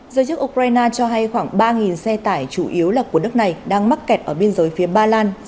giới chức ukraine cho hay khoảng ba xe tải chủ yếu là của đất này đang mắc kẹt ở biên giới phía ba lan